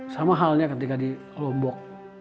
sama halnya ketika di lombok